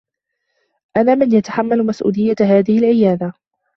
أنا من يتحمّل مسؤوليّة هذه العيادة.